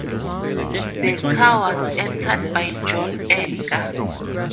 The car was entered by John Edgar.